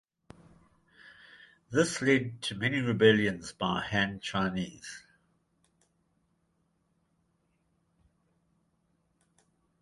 This led to many rebellions by Han Chinese.